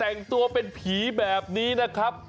แต่งตัวเป็นผีแบบนี้นะครับ